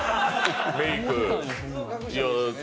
メイク。